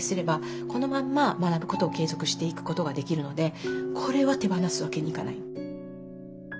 このまんま学ぶことを継続していくことができるのでこれは手放すわけにいかない。